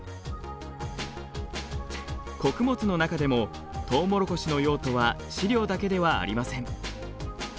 穀物の中でもトウモロコシの用途は飼料だけではありません。